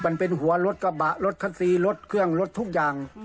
มันเป็นหัวรถกระบะรถคันซีรถเครื่องรถทุกอย่าง